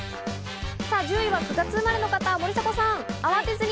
１０位は９月生まれの方、森迫さん。